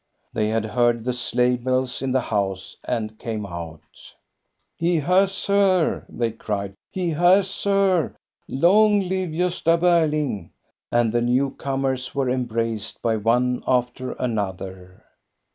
" They had heard the sleigh bells in the house, and came out He has her !" they cried, " he has her ! Long live Gosta Berling !" and the new comers were em braced by one after another.